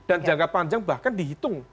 dan jangka panjang bahkan dihitung